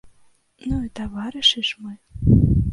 Ну і таварышы ж мы!